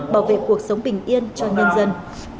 bảo vệ cuộc sống bình yên cho nhân dân